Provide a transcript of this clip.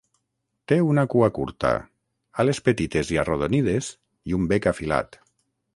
Té una cua curta, ales petites i arrodonides i un bec afilat.